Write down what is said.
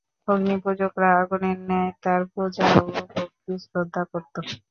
অগ্নিপূজকরা আগুনের ন্যায় তারও পূজা ও ভক্তি-শ্রদ্ধা করত।